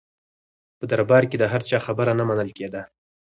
په دربار کې د هر چا خبره نه منل کېده.